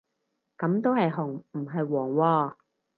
噉都係紅唔係黃喎